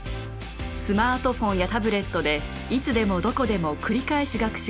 スマートフォンやタブレットでいつでもどこでも繰り返し学習できます。